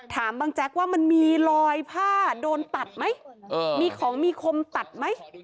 บางแจ๊กว่ามันมีรอยผ้าโดนตัดไหมมีของมีคมตัดไหม